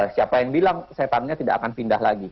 siapa yang bilang setannya tidak akan pindah lagi